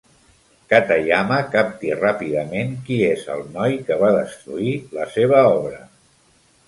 Katayama capti ràpidament qui és el noi que va destruir la seva obra.